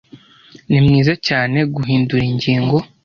Ni mwiza cyane guhindura ingingo.